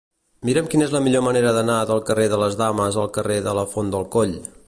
Mira'm quina és la millor manera d'anar del carrer de les Dames al carrer de la Font del Coll.